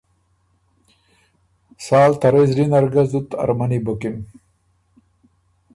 سال ته رئ زلی نر ګۀ زُت ارمنی بُکِن۔